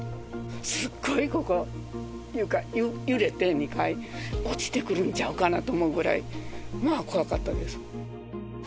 すごい、ここ揺れて、２階、落ちてくるんちゃうかなと思うぐらい、まあ怖かったです。